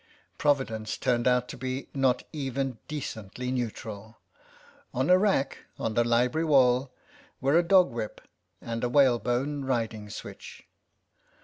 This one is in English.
Providence turned out to be not even decently neutral ; on a rack on the library wall were a dog whip and a whalebone riding switch.